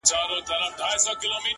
خدای په ژړا دی. خدای پرېشان دی.